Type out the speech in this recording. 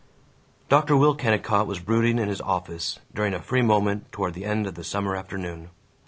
Dr. Will Kennicott was brooding in his office, during a free moment toward the end of the summer afternoon.